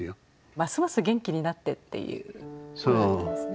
ますます元気になってっていうことだったんですね。